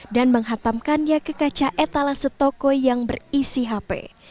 dan menghantamkannya ke kaca etala setokoi yang berisi hp